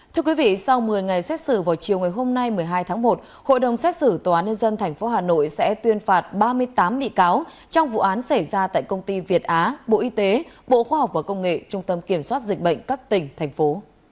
thưa quý vị sau một mươi ngày xét xử vào chiều ngày hôm nay một mươi hai tháng một hội đồng xét xử tòa án nhân dân tp hà nội sẽ tuyên phạt ba mươi tám bị cáo trong vụ án xảy ra tại công ty việt á bộ y tế bộ khoa học và công nghệ trung tâm kiểm soát dịch bệnh các tỉnh thành phố